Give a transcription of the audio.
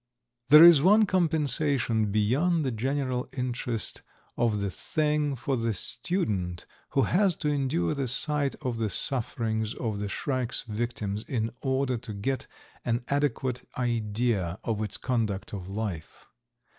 ] There is one compensation beyond the general interest of the thing for the student who has to endure the sight of the sufferings of the shrike's victims in order to get an adequate idea of its conduct of life.